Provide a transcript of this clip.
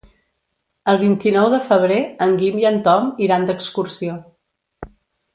El vint-i-nou de febrer en Guim i en Tom iran d'excursió.